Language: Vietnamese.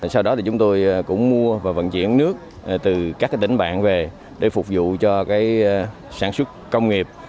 sau đó thì chúng tôi cũng mua và vận chuyển nước từ các tỉnh bạn về để phục vụ cho sản xuất công nghiệp